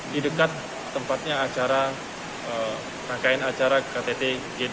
di dekat tempatnya acara rangkaian acara ktt g dua puluh